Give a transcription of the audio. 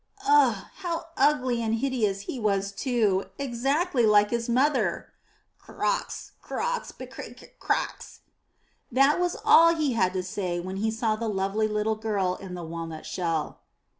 Ugh! how ugly and hideous he was, too, exactly like his mother. ''Koax, koax, brekke ke kex," that was all he had to say when he saw the lovely little girl in the walnut shell.